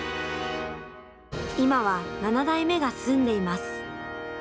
今は７代目が住んでいます。